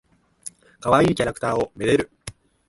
かわいいキャラクターを愛でる。